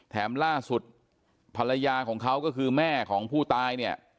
ล่าสุดภรรยาของเขาก็คือแม่ของผู้ตายเนี่ย